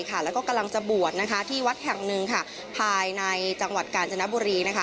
แล้วก็กำลังจะบวชที่วัดแห่งหนึ่งภายในจังหวัดกาญจนบุรี